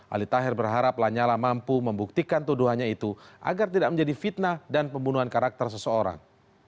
ali tahir berharap lanyala mampu membuktikan tuduhannya itu agar tidak menjadi fitnah dan pembunuhan karakter seseorang